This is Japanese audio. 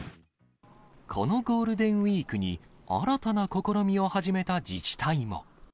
このゴールデンウィークに、新たな試みを始めた自治体も。